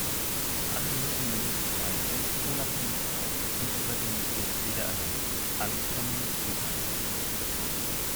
Alle müssen nun ihre Freiheit, Unabhängigkeit und Souveränität wiedererlangen, angefangen mit Zypern.